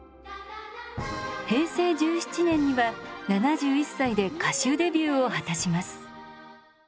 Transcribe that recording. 平成１７年には７１歳で歌手デビューを果たします。